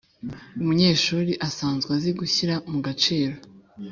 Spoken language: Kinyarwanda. umunyeshuri asanzwe azi gushyira mugaciro,